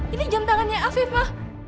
ini jam tangannya afif ma